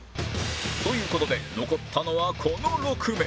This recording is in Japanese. という事で残ったのはこの６名